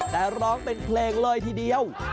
แต่ร้องเป็นเพลงเลยทีเดียว